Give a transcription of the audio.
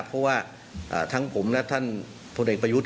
เพราะว่าทั้งผมและท่านพลเอกประยุทธ์